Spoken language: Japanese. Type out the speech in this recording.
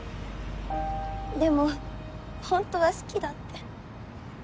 でもほんとは好きだって。